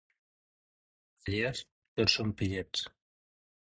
A Llers, tots són «pillets».